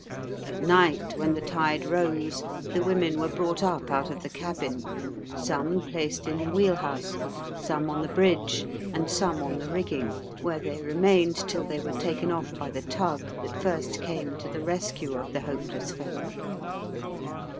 At night, when the tide rose, the women were brought up out of the cabin; some placed in the wheel house, some on the bridge, and some on the rigging, where they remained till they were taken off by the tug that first came to the rescue of the hopeless folk.